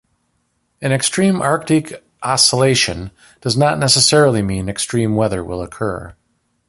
An extreme Arctic Oscillation does not necessarily mean extreme weather will occur.